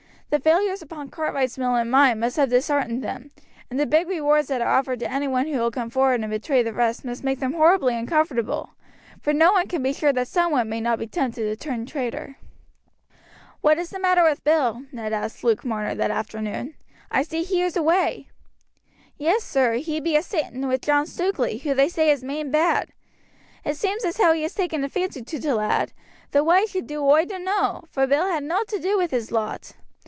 The failures upon Cartwright's mill and mine must have disheartened them, and the big rewards that are offered to any one who will come forward and betray the rest must make them horribly uncomfortable, for no one can be sure that some one may not be tempted to turn traitor." "What is the matter with Bill?" Ned asked Luke Marner that afternoon. "I see he is away." "Yes, sir, he be a sitting with John Stukeley, who they say is main bad. It seems as how he has taken a fancy to t' lad, though why he should oi dunno, for Bill had nowt to do wi' his lot.